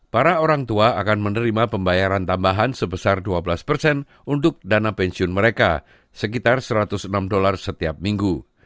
para orang tua akan menerima pembayaran tambahan sebesar dua belas persen untuk dana pensiun mereka sekitar satu ratus enam dolar setiap minggu